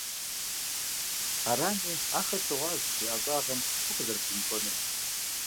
Арами, ахэр щыгъуазэщ я ӏэщӏагъэм фӏы къызэрыпэмыкӏуэнур.